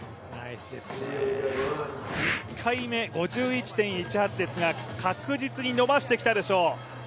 １回目、５１．１８ですが、確実に伸ばしてきたでしょう。